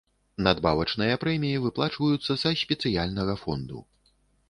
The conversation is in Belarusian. Надбавачныя прэміі выплачваюцца са спецыяльнага фонду.